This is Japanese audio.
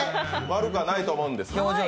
悪くはないと思うんです。